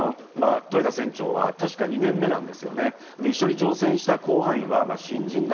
豊田船長は確かに２年目なんです。